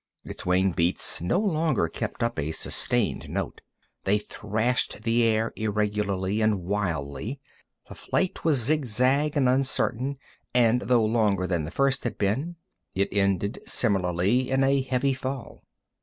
Its wing beats no longer kept up a sustained note. They thrashed the air irregularly and wildly. The flight was zigzag and uncertain, and though longer than the first had been, it ended similarly, in a heavy fall.